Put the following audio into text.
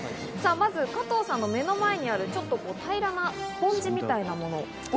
加藤さんの目の前にある平らなスポンジみたいなもの。